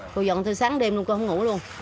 cô dọn tới sáng đêm luôn cô không ngủ luôn